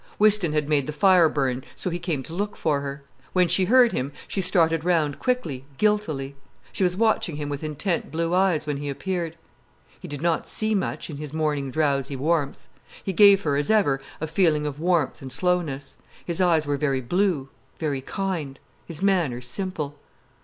Whiston had made the fire burn, so he came to look for her. When she heard him, she started round quickly, guiltily. She was watching him with intent blue eyes when he appeared. He did not see much, in his morning drowsy warmth. He gave her, as ever, a feeling of warmth and slowness. His eyes were very blue, very kind, his manner simple.